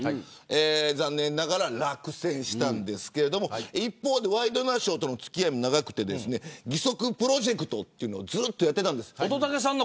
残念ながら落選しましたが一方でワイドナショーとの付き合いも長くて義足プロジェクトをずっとやっていたんです。